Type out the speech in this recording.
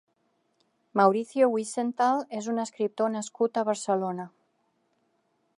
Mauricio Wiesenthal és un escriptor nascut a Barcelona.